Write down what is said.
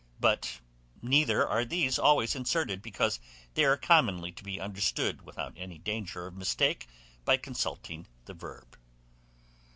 But neither are these always inserted, because they are commonly to be understood, without any danger of mistake, by consulting the verb.